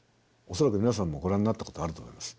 恐らく皆さんもご覧になったことあると思います。